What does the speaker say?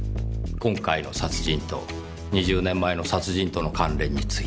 今回の殺人と２０年前の殺人との関連について。